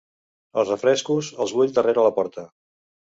Els refrescos, els vull darrere la porta.